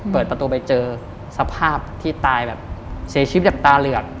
เปิดประตูไปเจอสภาพที่ตายแบบเสียชีวิตแบบตาเหลือก